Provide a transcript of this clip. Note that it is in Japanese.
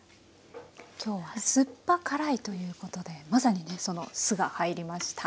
今日は酸っぱ辛いということでまさにその酢が入りました。